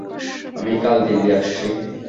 আমি কাল দিল্লি আসছি।